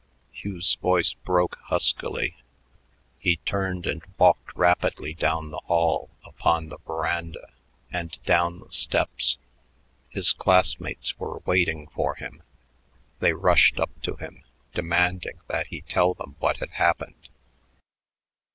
Hugh's voice broke huskily. He turned and walked rapidly down the hall, upon the veranda, and down the steps. His classmates were waiting for him. They rushed up to him, demanding that he tell them what had happened.